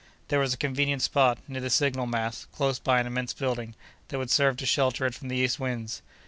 There was a convenient spot, near the signal mast, close by an immense building, that would serve to shelter it from the east winds.